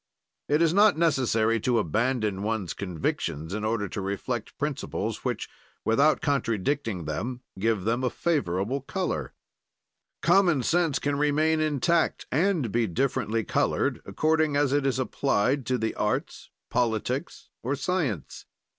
It is not necessary to abandon one's convictions in order to reflect principles which, without contradicting them, give them a favorable color. Common sense can remain intact and be differently colored, according as it is applied to the arts, politics, or science.